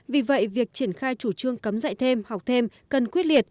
vì vậy việc triển khai chủ trương cấm dạy thêm học thêm cần quyết liệt